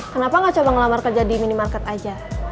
kenapa gak coba ngelamar kerja di minimarket aja